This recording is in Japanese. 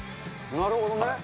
なるほどね。